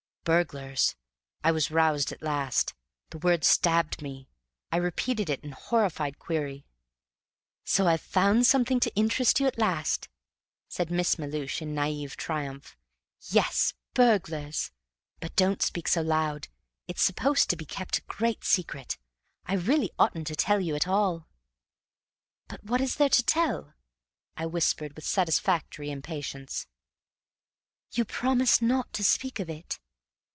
Burglars! I was roused at last. The word stabbed me. I repeated it in horrified query. "So I've found something to interest you at last!" said Miss Melhuish, in naive triumph. "Yes burglars! But don't speak so loud. It's supposed to be kept a great secret. I really oughtn't to tell you at all!" "But what is there to tell?" I whispered with satisfactory impatience. "You promise not to speak of it?"